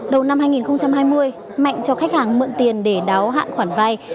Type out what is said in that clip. đầu năm hai nghìn hai mươi mạnh cho khách hàng mượn tiền để đáo hạn khoản vay